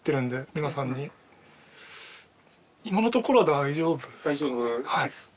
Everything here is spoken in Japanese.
今のところは大丈夫。